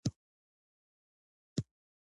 هغه د کارګرانو په شدید استثمار سره هڅه کوي